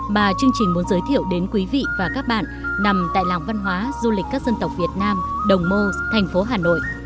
mà chương trình muốn giới thiệu đến quý vị và các bạn nằm tại làng văn hóa du lịch các dân tộc việt nam đồng mô thành phố hà nội